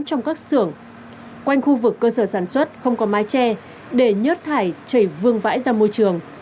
trong các xưởng quanh khu vực cơ sở sản xuất không có mái tre để nhớt thải chảy vương vãi ra môi trường